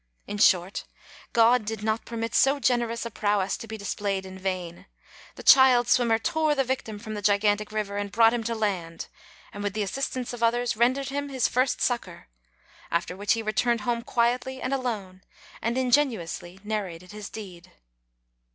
In short, God did not permit so generous a prowess to be displayed in vain. The child swimmer tore the victim from the gigantic river, and brought him to land, and with the assistance of others, rendered him his first succor; after which he returned home quietly and alone, and ingenuously narrated his deed.